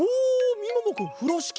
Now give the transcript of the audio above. みももくんふろしき！